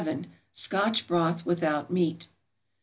=Scotch Broth without Meat.